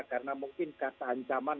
karena mungkin kata ancaman